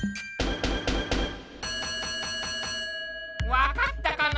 わかったかな？